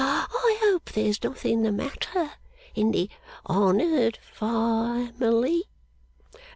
I hope there's nothing the matter in the honoured family?